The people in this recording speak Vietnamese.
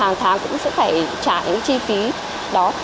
hàng tháng cũng sẽ phải trả những chi phí đó